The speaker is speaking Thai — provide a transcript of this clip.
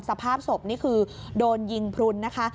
สภาพศพนี่คือโดนยิงพลุนนะคะ